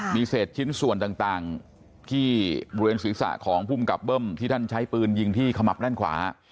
มีเศษชิ้นส่วนต่างที่บริเวณศีรษะของภูมิกับเบิ้มที่ท่านใช้ปืนยิงที่ขมับด้านขวา